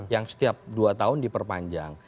yang setiap dua tahun diperpanjang